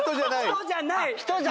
人じゃない。